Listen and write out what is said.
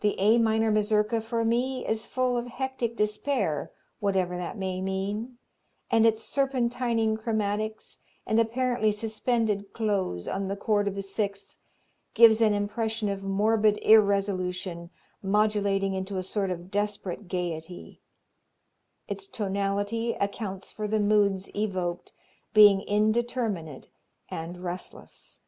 The A minor Mazurka for me is full of hectic despair, whatever that may mean, and its serpentining chromatics and apparently suspended close on the chord of the sixth gives an impression of morbid irresolution modulating into a sort of desperate gayety. Its tonality accounts for the moods evoked, being indeterminate and restless.